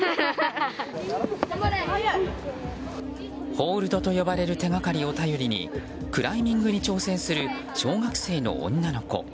ホールドと呼ばれる手がかりを頼りにクライミングに挑戦する小学生の女の子。